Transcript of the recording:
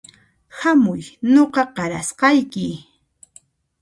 Hamuy nuqa qarasqayki